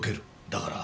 だから。